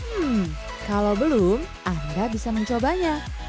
hmm kalau belum anda bisa mencobanya